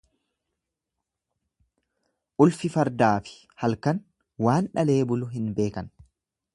Ulfi fardaafi halkan waan dhalee bulu hin beekan.